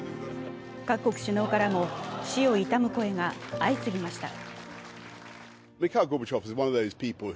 各国首脳からも死を悼む声が相次ぎました。